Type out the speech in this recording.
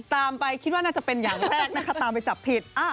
ตามไปคิดว่าน่าจะเป็นอย่างแรกนะคะตามไปจับผิด